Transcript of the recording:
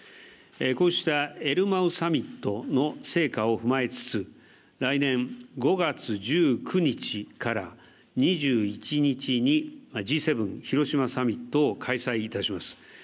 こうしたエルマウサミットの成果を踏まえつつ来年５月１９日から２１日にＧ７広島サミットを開催いたします。